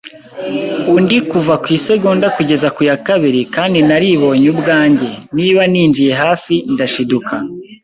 undi kuva ku isegonda kugeza ku ya kabiri; kandi naribonye ubwanjye, niba ninjiye hafi, ndashiduka